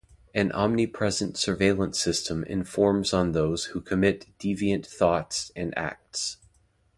An omnipresent surveillance system informs on those who commit deviant thoughts and acts.